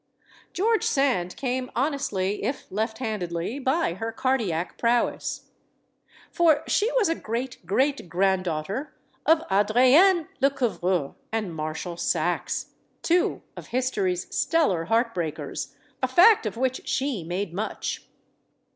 Geore Sand came, honestly, if lefthandedly, by her cardiac prowess. For she was a great great grand daughter of Adrienne Lecouvreur and Marshal Saxe; two of history's stellar heart breakers a fact of which she made much.